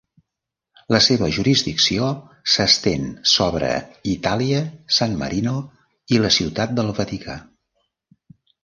La seva jurisdicció s'estén sobre Itàlia, San Marino i la Ciutat del Vaticà.